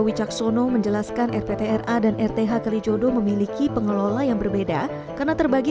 wicaksono menjelaskan rptra dan rth kalijodo memiliki pengelola yang berbeda karena terbagi